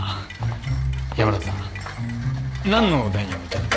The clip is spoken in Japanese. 山田さん何の段位をお持ちなんですか？